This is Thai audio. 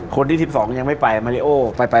คนที่๑๒ยังไม่ไปมาริโอไป